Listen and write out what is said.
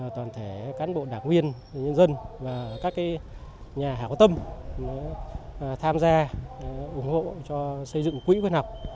toàn thể cán bộ đảng viên nhân dân và các nhà hảo tâm tham gia ủng hộ cho xây dựng quỹ văn học